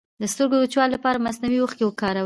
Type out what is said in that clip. د سترګو د وچوالي لپاره مصنوعي اوښکې وکاروئ